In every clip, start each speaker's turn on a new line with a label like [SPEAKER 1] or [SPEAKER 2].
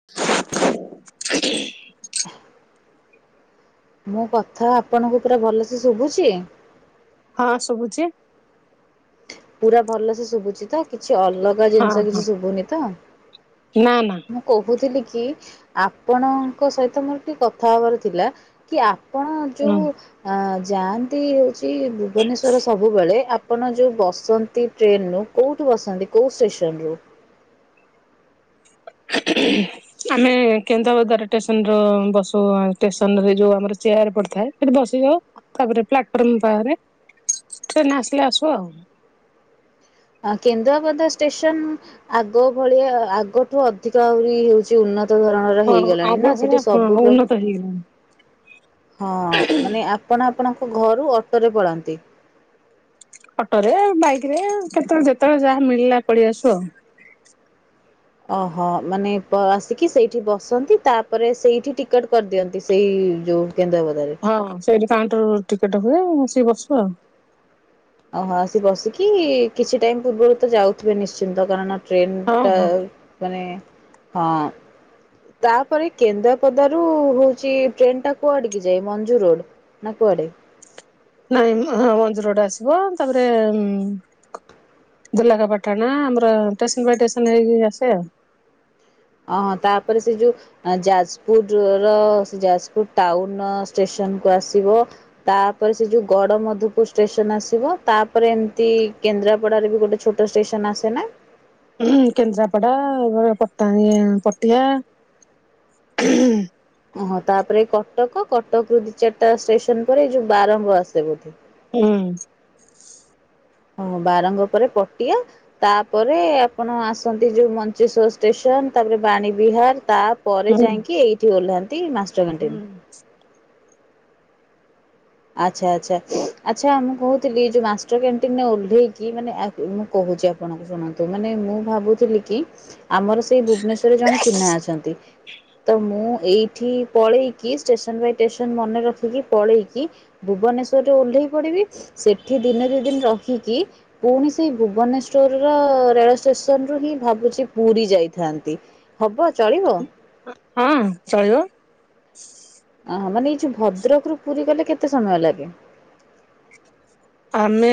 [SPEAKER 1] [inaudible]
[SPEAKER 2] [inaudible] ମୁୋ କଥା ଆପଣଙ୍କୁ ପୁରା ଭଲସେ ଶୁଭୁଛି।
[SPEAKER 1] ହଁ ଶୁଭୁଚି।
[SPEAKER 2] ପୁରା ଭଲ ସେ ଶୁଭୁଛି ତ କିଛି ଅଲଗା
[SPEAKER 1] ହଁ
[SPEAKER 2] ଜିନିଷ କିଛି ଶୁଭୁନି ତ।
[SPEAKER 1] ହଁ ନା ନା
[SPEAKER 2] କହୁଥିଲି କି ଆପଣଙ୍କ ସହିତ ମୋର ଟିକେ କଥା ହବାର ଥିଲା। କି ଆପଣ
[SPEAKER 1] ହଁ।
[SPEAKER 2] ଯୋଉଁ ଯାଆନ୍ତି ହୋଉଛି ଭୁବନେଶ୍ୱର ସବୁବେଳେ ଆ ଆପଣ ଯୋଉଁ ବସନ୍ତି ଟ୍ରେନରୁ କୋଉଠୁ ବସନ୍ତି କୋଉଁ ଷ୍ଟେସନୁରୁ?
[SPEAKER 1] [unintelligible] ଆମେ କେନ୍ଦ୍ରା ଭଦାର ଷ୍ଟେସନ ର ବସୁ ଷ୍ଟେସନରେ ଯୋଉ ଆମର ଚେୟାର ପଡିଥାଏ। ସେଠି ବସିଯାଉ ତାପରେ ପ୍ଲାଟଫର୍ମ ବାହାରେ ଟ୍ରେନ ଆସିଲେ ଆଶୁ ଆଉ।
[SPEAKER 2] ଆ କେନ୍ଦ୍ରାଭଦା ଷ୍ଟେସନ- ଆଗ ଭଳିଆ ଆଗଠୁ ଅଧିକ ଆହୁରି ହଉଛି ଉନ୍ନତ ଧରଣ ହେଇଗଲାଣି ନା ସେଠି ସବୁ ପ୍ରକାର-
[SPEAKER 1] ସେଇଟା ହେଇନି।
[SPEAKER 2] ହଁ ମାନେ ଆପଣ ଆପଣଙ୍କ ଘରୁ ଅଟୋ ରେ ପଳାନ୍ତି।
[SPEAKER 1] ଅଟୋରେ ବାଇକରେ କେତେବେଳେ ଯେତେବେଳେ ଯାହା ମିଳିଲା ପଳେଇ ଆସୁ ଆଉ।
[SPEAKER 2] ଓହୋ ମାନେ ଆସିକି ସେଇଠି ବସନ୍ତି ତାପରେ ସେଇଠି ଟିକେଟ୍ କରିଦିଅନ୍ତି ସେଇ ଯୋଉ - କେନ୍ଦ୍ରାଭଦା ରୁ -
[SPEAKER 1] ହଁ ସେଇଠି କାଉଣ୍ଟରରୁ ଟିକେଟ ହୁଏ ଆସିକି ବସୁ ଆଉ।
[SPEAKER 2] ଓହୋ ଆସି ବସିକି କିଛି ଟାଇମ ପୂର୍ବରୁ ତ ଯାଉଥିବେ ନିଶ୍ଚିନ୍ତ କାରଣ-
[SPEAKER 1] ହଁ
[SPEAKER 2] ଟ୍ରେନଟା
[SPEAKER 1] ହଁ।
[SPEAKER 2] ମାନେ ହଁ- ତାପରେ କେନ୍ଦ୍ରାପଦା ରୁ ହଉଛି ଟ୍ରେନ ଟା କୁଆଡିକି ଯାଏ ମଞ୍ଜୁ ରୋଡ। ନା କୁଆଡେ।
[SPEAKER 1] ନାଇଁ ମ ହଁ ମଞ୍ଜୁରୋଡ଼ ଆସିବ ତାପରେ ଦୁର୍ଲାଖପାଟଣା ଆମର ଷ୍ଟେସନ ବାଇ ଷ୍ଟେସନ ହେଇକି ଆସେ ଆଉ।
[SPEAKER 2] ଓହୋ ତାପରେ ସେ ଯୋଉ ଯାଜପୁର ର ଯାଜପୁର ଟାଉନ ଷ୍ଟେସନକୁୁ ଆସିବ। ତାପରେ ସେ ଯୋଉ ଗଡ ମଧୁପୁର ଷ୍ଟେସନ ଆସିବ। ତାପରେ ଏମିତି କେନ୍ଦ୍ରାପଡାରେ ବି ଗୋଟେ ଛୋଟ ଷ୍ଟେସନ ଆସେ ନା।
[SPEAKER 1] ହୁଁ କେନ୍ଦ୍ରାପଡା ପଟାଣିଆ ପଟିଆ।
[SPEAKER 2] ଓହୋ ତାପରେ କଟକ କଟକ ରୁ ଦି ଚାରିଟା ଷ୍ଟେସନ ପରେ ଏ ଯୋଉ ବାରଙ୍ଗ ଆସେ ବୋଧେ।
[SPEAKER 1] ହୁଁ।
[SPEAKER 2] ହଁ ବାରଙ୍ଗ ପରେ ପଟିଆ। ତାପରେ ଆପଣ ଆସନ୍ତି ଯୋଉ ମଞ୍ଚେଶ୍ୱର ଷ୍ଟେସନ ତାପରେ ବାଣୀ ବିହାର ତା ପରେ
[SPEAKER 1] ହୁଁ
[SPEAKER 2] ଯାଇକି ଏଇଠି ଓହ୍ଲାନ୍ତି। ମାଷ୍ଟ
[SPEAKER 1] ହୁଁ।
[SPEAKER 2] ଆଚ୍ଛା -ଆଚ୍ଛା -ଆଚ୍ଛା ମୁଁ କହୁଥିଲି ଯୋଉ ମାଷ୍ଟର କ୍ୟାଣ୍ଟିନରେ ଓହ୍ଲେଇକି ମାନେ ମୁଁ କହୁଛି ଆପଣଙ୍କୁ ଶୁଣନ୍ତୁ ମାନେ ମୁଁ ଭାବୁଥିଲି କି ଆମର ସେଇ ଭୁବନେଶ୍ଵରରେ ଜଣେ ଚିହ୍ନା ଅଛନ୍ତି ତ ମୁଁ ଏଇ ଏଠି ପଳେଇକି ଷ୍ଟେସନ ବାଇ ଷ୍ଟେସନ ମନେ ରଖିକି ପଳେଇକି ଭୁବନେଶ୍ଵରରେ ଓହ୍ଲେଇ ପଡିବି ସେଠି ଦିନେ ଦୁଇ ଦିନ ରହିକି ପୁଣି ସେଇ ଭୁବନେଶ୍ଵର ର ରେଳ ଷ୍ଟେସନ ରୁ ହିଁ ଭାବୁଛି ପୁରୀ ଯାଇଥାନ୍ତି। ହବ ଚଳିବ?
[SPEAKER 1] ହଁ ଚଲିବ।
[SPEAKER 2] ଓହୋ ମାନେ ଏଇ ଯୋଉ ଭଦ୍ରକ ରୁ ପୁରୀ ଗଲେ କେତେ ସମୟ ଲାଗେ? ?
[SPEAKER 1] ଆମେ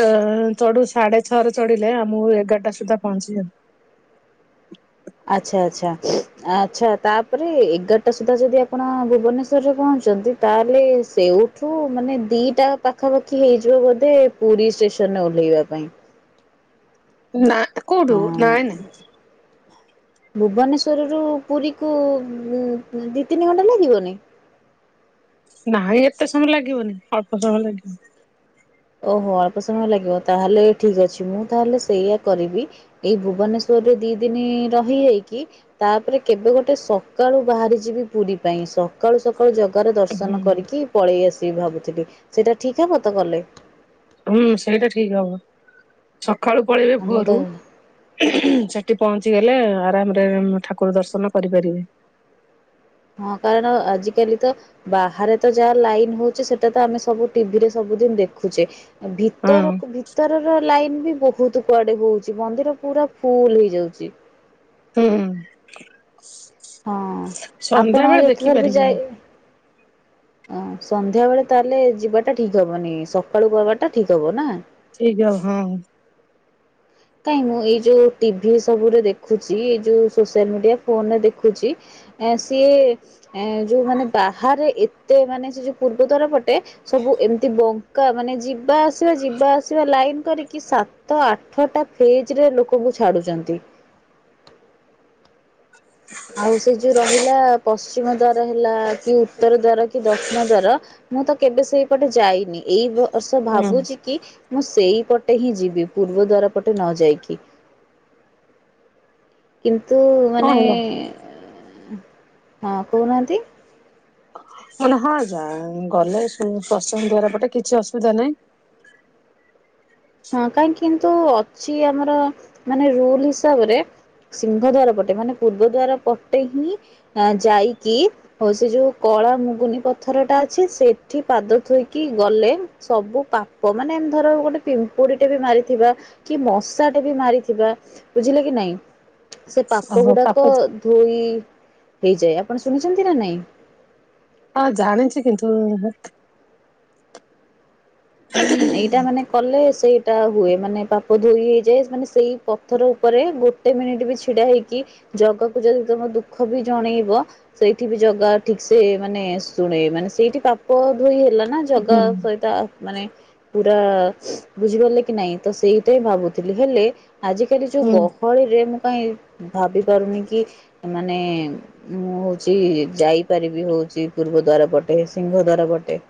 [SPEAKER 1] ଚଢୁ ସାଢେ ଛଅରେ ଚଢିଲେ ଆମକୁ ଏଗାରଟା ସୁଦ୍ଧା ପହଞ୍ଚିଯାଉ।
[SPEAKER 2] ଆଚ୍ଛା -ଆଚ୍ଛା -ଆଚ୍ଛା ତାପରେ ଏଗାରଟା ସୁଦ୍ଧା ଯଦି ଆପଣ ଭୁବନେଶ୍ୱରରେ ପହଞ୍ଚଛନ୍ତି। ତାହେଲେ ସେଇଠୁ ମାନେ ଦିଟା ପାଖାପାଖି ହେଇଯିବ ବୋଧେ। ପୁରୀ ଷ୍ଟେସନରେ ଓହ୍ଲାଇବା ପାଇଁ।
[SPEAKER 1] ନା କୋଉଠୁ
[SPEAKER 2] ହଁ
[SPEAKER 1] ନାଇଁ ନାଇଁ।
[SPEAKER 2] ଭୁବନେଶ୍ୱରରୁ ପୁରୀ କୁ ଦି ତିନି ଘଣ୍ଟା ଲାଗିବନି।
[SPEAKER 1] ନାଇଁ ଏତେ ସମୟ ଲାଗିବନି ଅଳ୍ପ ସମୟ ଲାଗିବ।
[SPEAKER 2] ଓହୋ ଅଳ୍ପ ସମୟ ଲାଗିବ ତା ହେଲେ ଠିକ୍ ଅଛି ମୁଁ ତାହେଲେ ସେଇଆ କରିବି। ଏଇ ଭୁବନେଶ୍ଵରରେ ଦି ଦିନି ରହିଯାଇକି ତାପରେ କେବେ ଗୋଟେ ସକାଳୁ ବାହାରି ଯିବି ପୁରୀ ପାଇଁ ସ ସକାଳୁ ସକାଳୁ ଜାଗାର
[SPEAKER 1] ହୁଁ
[SPEAKER 2] ଦର୍ଶନ କରିକି ପଳେଇ ଆସିବି ଭାବୁଥିଲି ସେଇଟା ଠିକ୍ ହବତ ଗଲେ।
[SPEAKER 1] ହୁଁ ସେଇଟା ଠିକ୍ ହବ ସକାଳୁ ପଳେଇବେ
[SPEAKER 2] ମୁଁ
[SPEAKER 1] ଭୋରୁ।
[SPEAKER 2] ତ
[SPEAKER 1] ସେଠି ପହଞ୍ଚିଗଲେ ଆରାମରେ ଠାକୁର ଦର୍ଶନ କରିପାରିବେ।
[SPEAKER 2] ହଁ କାରଣ ଆଜିକାଲି ତ ବାହାରେ ତ ଯାହା ଲାଇନ ହୋଉଛି ସେଟା ତ ଆମେ ସବୁ ଟିଭିରେ ସବୁଦିନ ଦେଖୁଛେ।
[SPEAKER 1] ହଁ
[SPEAKER 2] ଭିତରକୁ ଭି ଭିତର ର ଲାଇନ ବି ବହୁତ କୁଆଡେ ହଉଛି ମନ୍ଦିର ପୁରା ଫୁଲ ହେଇଯାଉଛି।
[SPEAKER 1] ହୁଁ
[SPEAKER 2] ହଁ ଆପଣ
[SPEAKER 1] ସନ୍ଧ୍ୟା ବେଳେ ଦେଖିପାରିବନି।
[SPEAKER 2] ଓ ସନ୍ଧ୍ୟା ବେଳେ ତାହେଲେ ଯିବାଟା ଠିକ୍ ହବନି ସକାଳୁ ଦବାଟା ଠିକ୍ ହବ ନା।
[SPEAKER 1] ଠିକ୍ ହବ ହଁ।
[SPEAKER 2] କାଇହିଁ ମୁଁ ଏଇ ଯୋଉ ଟିଭି ସବୁରେ ଦେଖୁଛି ଏଇ ଯୋଉ ସୋସିଆଲ ମିଡିଆ ଫୋନ ରେ ଦେଖୁଛି। ଏ ସିଏ ଯୋଉ ମାନେ ବାହାରେ ଏତେ ମାନେ ସେ ଯୋଉ ପୂର୍ବ ଦ୍ୱାର ପଟେ ସବୁ ଏମିତି ବଙ୍କା ମାନେ ଯିବା ଆସିବା ଯିବା ଆସିବା ଲାଇନ କରିକି ସା ତ ଆଠଟା ଫେଜ୍‌ରେ ଲୋକକୁ ଛାଡୁଛନ୍ତି। ଆଉ ସେ ଯେଉଁ ରହିଲା ପଶ୍ଚିମ ଦ୍ୱାର ହେଲା କି ଉତ୍ତର ଦ୍ୱାର କି ଦକ୍ଷିଣ ଦ୍ୱାର ମୁଁ ତ କେବେ ସେଇପଟେ ଯାଇନି ଏଇ ବର୍ଷ
[SPEAKER 1] ହଁ ହଁ
[SPEAKER 2] ଭାବୁଛି କି ମୁଁ ସେଇପଟେ ହିଁ ଯିବି, ପୂର୍ବ ଦ୍ଵାର ପଟେ ନ ଯାଇକି। କିନ୍ତୁ
[SPEAKER 1] ହଁ
[SPEAKER 2] ମାନେ
[SPEAKER 1] ହେଲା
[SPEAKER 2] ହଁ କହୁନାହାନ୍ତି।
[SPEAKER 1] ମାନେ ହଁ ଯା ଗଲେ ଶସଙ୍ଗ ଦ୍ୱାର ପଟେ କିଛି ଅସୁବିଧା ନାହିଁ।
[SPEAKER 2] ହଁ କାହିଁକି କିନ୍ତୁ ଅଛି ଆମର ମାନେ ରୁଲ ହିସାବରେ ସିଂହ ଦ୍ୱାର ପଟେ ମାନେ ପୂର୍ବ ଦ୍ୱାର ପଟେ ହିଁ ଯାଇକି ହଉ ସେ ଯୋଉ କଳା ମୁଗୁନି ପଥର ଟା ଅଛି ସେଠି ପାଦ ଥୋଇକି ଗଲେ ସବୁ ପାପ ପ ମାନେ ଧର ଗୋଟେ ପିମ୍ପୁଡି ଟେ ବି ମାରିଥିବା, କି ମଶା ଟେ ବି ମାରିଥିବା ବୁଝିଲେ କି ନାଇଁ ସେ ପାପ ଗୁଡାକ ଧୋଇ ହେଇଯାଏ, ଆପଣ ଶୁଣିଛନ୍ତି ନା ନାଇଁ।
[SPEAKER 1] ହଁ ଜାଣିଛି କିନ୍ତୁ
[SPEAKER 2] ହୁଁ ଏଇଟା ମାନେ କଲେ ସେଇଟା ହୁଏ, ମାନେ ପାପ ଧୋଇ ହେଇଯାଏ, ମାନେ ସେଇ ପଥର ଉପରେ ଗୋ ଗୋଟେ ମିନିଟ୍ ବି ଛିଡା ହେଇକି ଜଗାକୁ ଯଦି ତମ ଦୁଃଖ ବି ଜଣେଇବ ସେଇଠି ବି ଜଗା ଠିକ ସେ ମାନେ ଶୁଣେ, ମାନେ ସେଇଠି ପାପ ଧୋଇ ହେଲା ନା। ଜଗା ସହିତ ମାନେ ପୁରା ବୁଝିପାରିଲେ କି ନାଇଁ ତ ସେଇଟା ହିଁ ଭାବୁଥିଲି ହେଲେ ଆଜିକାଲି ଯୋଉ
[SPEAKER 1] ହୁଁ
[SPEAKER 2] ଗହଳିରେ ମୁଁ କାହିଁ ଭାବି ପାରୁନି କି ମାନେ ମୁଁ ହଉଛି ଯାଇପାରିବି ହଉଛି ପୂର୍ବ ଦ୍ୱାର ପଟେ ସିଂହ ଦ୍ୱାର ପଟେ।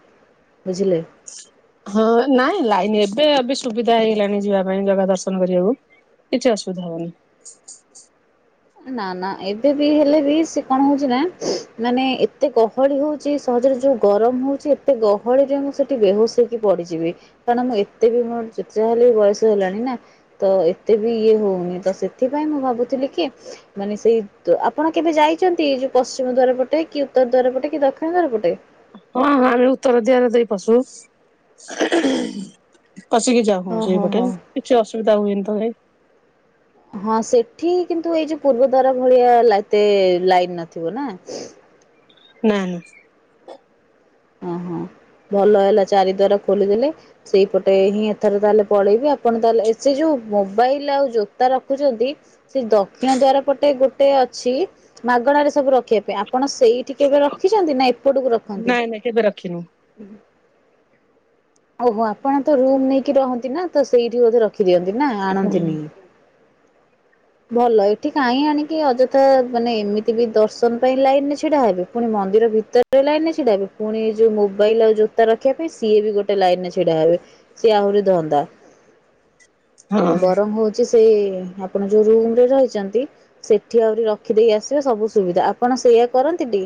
[SPEAKER 2] ବୁଝିଲେ।
[SPEAKER 1] ହଁ ନାଇଁ ଲାଇନ ଏବେ ଏବେ ସୁବିଧା ହେଇଗଲାଣି ଯିବା ପାଇଁ ଜଗା ଦର୍ଶନ କରିବାକୁ। କିଛି ଅସୁବିଧା ହବନି।
[SPEAKER 2] ନା ନା ଏବେ ବି ହେଲେ ବି ସେ କଣ ହଉଛି ନା ମାନେ ଏତେ ଗହଳି ହେଉଛି ସହଜରେ ଯୋଉ ଗରମ ହେଉଛି ଏତେ ଗହଳିରେ ମୁଁ ସେଇଠି ବେହୋସ ହେଇକି ପଡ଼ିଯିବି। କାରଣ ମୁଁ ଏତେ ବି ମୁଁ ଯେତେ ଯାହା ହେଲେ ବି ବୟସ ହେଲାଣି ନା। ତ ଏତେ ବି ଇଏ ହଉନି, ତ ସେଥିପାଇଁ ମୁଁ ଭାବୁଥିଲି କି ମାନେ ସେଇ ଆପଣ କେବେ ଯାଇଛନ୍ତି ଯୋଉ ପଶ୍ଚିମ ଦ୍ୱାର ପଟେ, କି ଉତ୍ତର ଦ୍ୱାର ପଟେ, କି ଦକ୍ଷିଣ ଦ୍ଵାର ପଟେ।
[SPEAKER 1] ହଁ ହଁ ଆମେ ଉତ୍ତର ଦିଆରେ ଦେଇପସୁ। [unintelligible] ପସିକି ଯାଉ ହ
[SPEAKER 2] ଓହୋ
[SPEAKER 1] ସେଇପଟେ
[SPEAKER 2] ହୋ
[SPEAKER 1] କିଛି ଅସୁବିଧା ହୁଏନି ତ କାଇଁ।
[SPEAKER 2] ହଁ ସେଠି କିନ୍ତୁ ଏଇ ଯୋଉ ପୂର୍ବ ଦ୍ୱାର ଭଳିଆ ଏତେ ଲାଇନ ନଥିବ ନା।
[SPEAKER 1] ନା ନା।
[SPEAKER 2] ଓହୋ, ଭଲ ହେଲା ଚାରି ଦ୍ଵାର ଖୋଲିଦେଲେ ସେଇପଟେ ହିଁ ଏଥର ତାହେଲେ ପଳେଇବି, ଆପଣ ତାହେଲେ ସେ ଯୋଉ ମୋବାଇଲ ଆଉ ଜୋତା ରଖୁଛନ୍ତି ସେ ଦକ୍ଷିଣ ଦ୍ଵାର ପଟେ ଗୋଟେ ଅଛି ମାଗଣାରେ ସବୁ ରଖିବା ପାଇଁ ଆପଣ ସେଇ ସେଠି କେବେ ରଖିଛନ୍ତି, ନା ଏପଟକୁ ରଖନ୍ତି।
[SPEAKER 1] ନାଇଁ ନାଇଁ କେବେ ରଖିନୁ।
[SPEAKER 2] ହୁଁ। ଓହୋ ଆପଣ ତ ରୁମ୍ ନେଇକି ରହନ୍ତି ନା ତ ସେଇଠି ବୋଧେ ରଖ ଖି ଦିଅନ୍ତି ନା ଆଣନ୍ତିନି।
[SPEAKER 1] ହଁ।
[SPEAKER 2] ଭଲ ଏଠି କାହିଁ ଆଣିକି ଅଯଥା ମାନେ ଏମିତି ବି ଦର୍ଶନ ପାଇଁ ଲାଇନରେ ଛିଡା ହେବେ। ପୁଣି ମନ୍ଦିର ଭିତରେ ଲାଇନେ ଛିଡାହେବେ, ପୁଣି ଯୋଉ ମୋବାଇଲ ଆଉ ଜୋତା ରଖିବା ପାଇଁ ସିଏ ବି ଗୋଟେ ଗୋଟେ ଲାଇନରେ ଛିଡା ହେବେ, ସିଏ ଆହୁରି ଧନ୍ଦା ବରଂ ହଉ ସେ ଆପଣ ଯୋଉ ରୁମରେ ରହିଛନ୍ତି ସେଠି ଆହୁରି ରଖିଦେଇ ଆସିବେ ସବୁ ସୁବିଧା ଆପଣ ସେଇଆ କରନ୍ତି ଟି।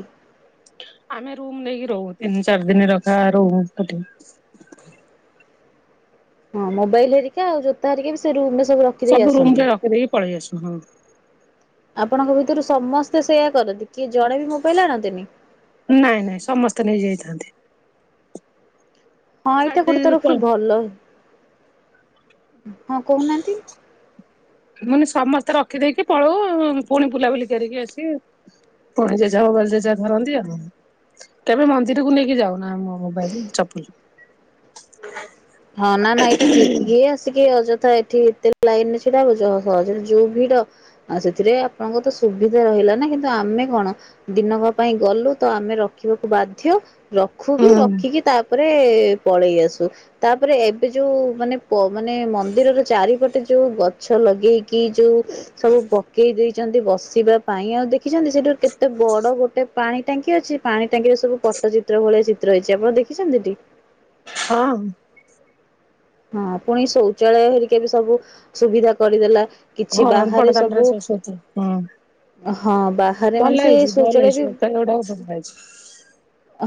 [SPEAKER 1] ଆମେ ରୁମ ନେଇକି ରହୁ, ତିନି ଚାରି ଦିନ ରଖା ରୋହୁ।
[SPEAKER 2] ହଁ ମୋବାଇଲହେରିକା ଆଉ ଜୋତା ହରିକା ବି ସେ ରୁମ ରେ ସବୁ ରଖ
[SPEAKER 1] ସବୁ ରୁମ ରେ ରଖିଦେଇକି ପଳେଇ ଆସୁ ହଁ।
[SPEAKER 2] ଆପଣଙ୍କ ଭିତରୁ ସମସ୍ତେ ସେଇୟା କରନ୍ତି କିଏ ଜଣେ ବି ମୋବାଇଲ ଆଣନ୍ତିନି।
[SPEAKER 1] ନାଇଁ ନାଇଁ ସମସ୍ତେ ନେଇଯାଇଥାନ୍ତି।
[SPEAKER 2] ହଁ
[SPEAKER 1] ଛାଡି
[SPEAKER 2] ଏଇଟା ଗୋଟେ ତରଫରୁ
[SPEAKER 1] ଦେଇକି
[SPEAKER 2] ଭଲ, ହଁ କହୁନାହାନ୍ତି।
[SPEAKER 1] ମାନେ ସମସ୍ତେ ରଖିଦେଇକି ପଳଉ ପୁଣି ବୁଲାବୁଲି କରିକି ଆସି ପୁଣି ଜେଝା ଭୋଗ ଜେଝା ଧରନ୍ତି ଆଉ କେବେ ମନ୍ଦିରକୁ ନେଇକି ଯାଉ। ନା ମୋ ମୋବାଇଲି ଚପ୍ ଲି।
[SPEAKER 2] ହଁ -ନା -ନା ଏଇଟା ଠିକ୍ କିଏ ଆସିକି ଅଯଥା ଏ ଏଠି ଏତେ ଲାଇନ୍ ରେ ଛିଡା ହବ ସହ- ସହଜରେ ଯଉ ଭିଡ। ଆଉ ସେଥିରେ ଆପଣଙ୍କ ତ ସୁବିଧା ରହିଲା ନା କିନ୍ତୁ ଆମେ କଣ ଦିନକ ପାଇଁ ଗଲୁ ତ ଆମେ ରଖିବାକୁ ବାଧ୍ୟ ରଖୁବିି
[SPEAKER 1] ହୁଁ
[SPEAKER 2] ରଖିକି ତାପରେ ପଳେଇ ଆସୁ। ତାପରେ ଏବେ ଯଉ ମାନେ ପ- ମାନେ ମନ୍ଦିରର ଚାରିପଟେ ଯଉ ଗଛ ଲଗେଇକି ଯଉ ସବୁ ପକେଇ ଦେଇଚନ୍ତି ବସିବା ପାଇଁ ଆଉ ଦେଖିଚନ୍ତି ସେଠି କେତେ ବଡ ଗୋଟେ ପାଣି ଟାଙ୍କି ଅଛି ପାଣି ଟାଙ୍କିରେ ସବୁ ପଟ ଚିତ୍ର ଭଳିଆ ଚିତ୍ର ହେଇଚି ଆପଣ ଦେଖିଚନ୍ତି ଟି?
[SPEAKER 1] ହଁ।
[SPEAKER 2] ହଁ ପୁଣି ଶୌଚାଳୟ ହେରିକା ବି ସବୁ ସୁବିଧା କରିଦେଲା। କିଛି
[SPEAKER 1] ହଁ
[SPEAKER 2] ବାହାରେ
[SPEAKER 1] ବଡଦାଣ୍ଡରେ ସବୁ ଶୋଉଚିତି ହୁଁ।
[SPEAKER 2] ହଁ ବାହାରେ
[SPEAKER 1] ଭଲ
[SPEAKER 2] ମାନେ ସେ
[SPEAKER 1] ହେଇଛି ଭଲ
[SPEAKER 2] ଶୌଚାଳୟ
[SPEAKER 1] ହେଇଛି
[SPEAKER 2] ବି
[SPEAKER 1] ଗୁଡାକ ଭଲ ହେଇଛି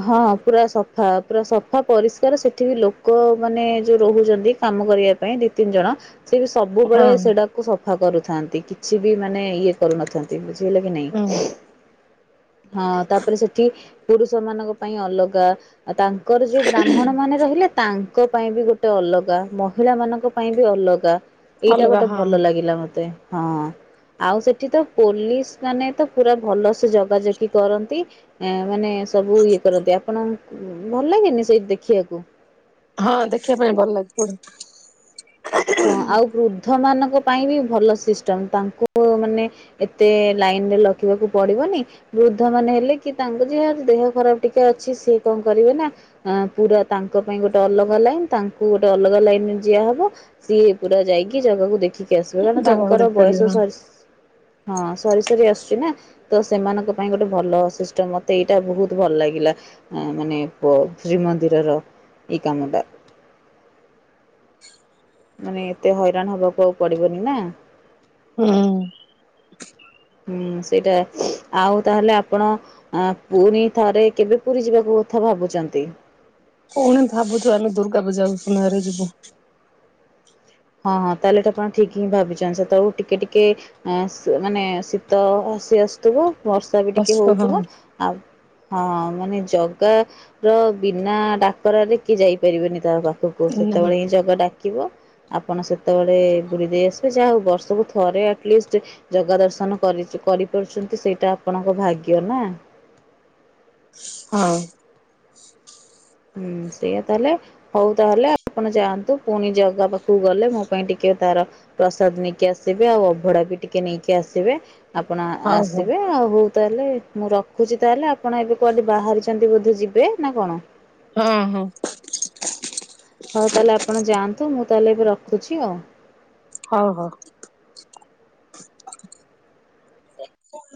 [SPEAKER 2] ହଁ ପୁରା ସଫା ପୁରା ସଫା ପରିଷ୍କାର ସେଠି ବିି ଲୋକ ମାନେ ଯଉ ରହୁଚନ୍ତି କାମ କରିବା ପାଇଁ ଦି ତିନି ଜଣ ସେ
[SPEAKER 1] ହଁ
[SPEAKER 2] ସବୁବେଳେ ସେଟା ସଫା କରୁଥାନ୍ତି କିଛି ବି ମାନେ ଇଏ କରୁନଥାନ୍ତି ବୁଝିହେଲା କି
[SPEAKER 1] ହୁଁ।
[SPEAKER 2] ନାଇଁ। ହଁ ତାପରେ ସେଠି ପୁରୁଷ ମାନଙ୍କ ପାଇଁ ଅଲଗା ଆ-ତାଙ୍କର ଯଉ ବ୍ରାହ୍ମଣ ମାନେ ରହିଲେ ତାଙ୍କ ପାଇଁ ବି ଗୋ ଗୋଟେ ଅଲଗା ମହିଳା ମାନଙ୍କ ପାଇଁ ବି ଅଲଗା ଏଇଟା
[SPEAKER 1] ଅଲଗା
[SPEAKER 2] ଗୋଟେ
[SPEAKER 1] ହଁ
[SPEAKER 2] ଭଲ ଲାଗିଲା ମତେ। ହଁ ଆଉ ସେଠି ତ ପୋଲିସ୍ ମାନେ ତ ପୁରା ଭଲ ସେ ଜଗାଜଗି କରନ୍ତି। ଏଁ- ମାନେ ସବୁ ଇଏ କରନ୍ତି ଆପଣ ଭଲ ଲାଗେନି ସେଇଠି ଦେଖିବାକୁ।
[SPEAKER 1] ହଁ ଦେଖିବା ପାଇଁ ଭଲ୍ ଲାଗୁଥିବ।
[SPEAKER 2] ହଁ ଆଉ ବୃଦ୍ଧ ମାନଙ୍କ ପାଇଁ ବି ଭଲ ସିଷ୍ଟମ୍ ତାଙ୍କୁ ମାନେ ଏତେ ଲାଇନ୍ ରେ ଲଖିବାକୁ ପଡିବନି। ବୃଦ୍ଧ ମାନେ ହେଲେ କି ତାଙ୍କ ଯିଏ ଦେହ ଖରାପ୍ ଟିକେ ଅଛି ସିଏ କଣ କରିବେ ନା ଅଁ- ପୁରା ତାଙ୍କ ପାଇଁ ଗୋଟେ ଅଲଗା ଲାଇନ୍ ତାଙ୍କୁ ଗୋଟେ ଅଲଗା ଲାଇନ୍ ରେ ଯିଆହବ। ସିଏ ପୁରା ଯାଇକି ଜଗାକୁ ଦେଖିକି ଆସିବେ କାହିଁକିନା
[SPEAKER 1] ଜାଗାକୁ
[SPEAKER 2] ତାଙ୍କର
[SPEAKER 1] ଦେଖିପାରିବେ
[SPEAKER 2] ବୟସ
[SPEAKER 1] ହଁ
[SPEAKER 2] ସରି‌ ସ ହଁ ସରି ସରି ଆସୁଚି ନା। ତ ସେମାନଙ୍କ ପାଇଁ ଗୋଟେ ଭଲ ସିଷ୍ଟମ୍ ମତେ ଏଇଟା ବହୁତ୍ ଭଲ୍ ଲାଗିଲା। ଆ- ମାନେ ପ- ଶ୍ରୀମନ୍ଦିରର ଏଇ କାମଟା ମାନେ ଏତେ ହଇରାଣ୍ ହବାକୁ ଆଉ ପଡିବନି ନା।
[SPEAKER 1] ହୁଁ।
[SPEAKER 2] ହୁଁ ସେଇଟା ଆଉ ତାହେଲେ ଆପଣ ଆ -ପୁଣି ଥରେ କେବେ ପୁରୀ ଯିବାକୁ କଥା ଭାବୁଚନ୍ତି?
[SPEAKER 1] ପୁଣି ଭାବୁଚୁ ଆମେ ଦୁର୍ଗା ପୂଜାକୁ ଆଶ୍ୱିନରେ ଯିବୁ।
[SPEAKER 2] ହଁ -ହଁ ତାହେଲେ ଏଟା ଆପଣ ଠିକ୍ ହିଁ ଭାବିଚନ୍ତି ସେତେବେଳକୁ ଟିକେ ଟିକେ ଆଁ -ସ୍ ମାନେ ଶୀତ ଆସି ଆସୁଥିବ ବର୍ଷା ବି
[SPEAKER 1] ବସ
[SPEAKER 2] ଟିକେ
[SPEAKER 1] ହଁ
[SPEAKER 2] ହଉଥିବ ଆଉ-ଆ- ମାନେ ଜଗା ର ବିନା ଡାକରାରେ କିଏ ଯାଇପାରିବେନି ତା ପାଖକୁ
[SPEAKER 1] ହଁ
[SPEAKER 2] ସେତେବେଳେ ହିଁ ଜଗା ଡାକିବ ଆପଣ ସେତେବେଳେ ବୁଲି ଦେଇ ଆସିବେ ଯାହା ହଉ ବର୍ଷକୁ ଥରେ ଆଟଲିଷ୍ଟ୍ ଜଗା ଦର୍ଶନ କରି -କରିପାରୁଛଚନ୍ତି ସେଇଟା ଆପଣଙ୍କ ଭାଗ୍ୟ ନା।
[SPEAKER 1] ହଁ।
[SPEAKER 2] ହୁଁ ସେଇଆ ତାହେଲେ ହଉ ତାହେଲେ ଆପଣ ଯାଆନ୍ତୁ ପୁଣି ଜଗା ପାଖକୁ ଗଲେ ମୋ ପାଇଁ ଟିକେ ତାର ପ୍ରସାଦ୍ ନେଇକି ଆସିବେ ଆଉ ଅଭଡା ବି ଟିକେ ନେଇକି ଆସିବେ। ଆପଣ
[SPEAKER 1] ହଉ ହଁ
[SPEAKER 2] ଆ-ଆସିବେ ଆଉ ତାହେଲେ ମୁଁ ରଖ୍ ରଖୁଚି ତାହେଲେ ଆପଣ ଏବେ କୁଆଡେ ବାହାରିଚନ୍ତି ବୋଧେ ଯିବେ ନା କଣ?
[SPEAKER 1] ହଁ- ହଁ।
[SPEAKER 2] ହଉ ତାହେଲେ ଆପଣ ଯାଆନ୍ତୁ ମୁଁ ତାହେଲେ ଏବେ ରଖୁଚି ଆଉ।
[SPEAKER 1] ହଉ ହଉ।